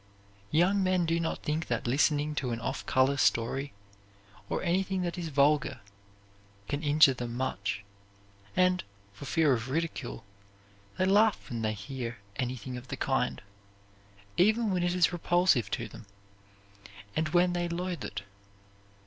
Young men do not think that listening to an off color story, or anything that is vulgar, can injure them much, and, for fear of ridicule, they laugh when they hear anything of the kind, even when it is repulsive to them, and when they loathe it.